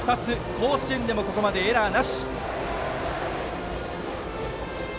甲子園でも、ここまでエラーなし。